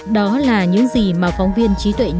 đó là những gì mà phóng viên trí tuệ nhân